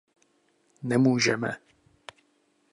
Nemůžeme.